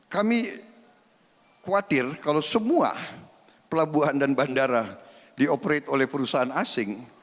kami khawatir kalau semua pelabuhan dan bandara dioperate oleh perusahaan asing